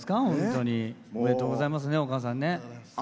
おめでとうございます、お母さん。